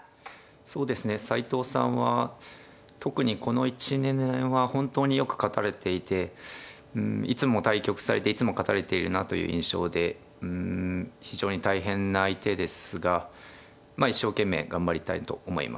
そうですね斎藤さんは特にこの１２年は本当によく勝たれていていつも対局されていつも勝たれているなという印象でうん非常に大変な相手ですがまあ一生懸命頑張りたいと思います。